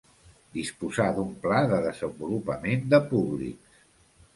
Disposar d'un pla de desenvolupament de públics.